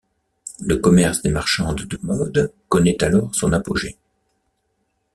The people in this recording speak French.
Le commerce des marchandes de modes connaît alors son apogée.